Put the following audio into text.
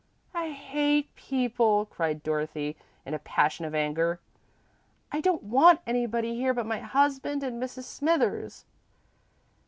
"I hate people!" cried Dorothy, in a passion of anger. "I don't want anybody here but my husband and Mrs. Smithers!"